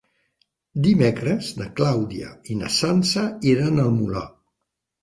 Dimecres na Clàudia i na Sança iran al Molar.